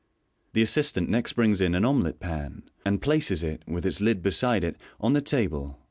The assistant next brings in an omelet pan, and places it, with its lid beside it, on the table.